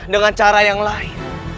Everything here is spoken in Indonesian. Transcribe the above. dengan cara yang lain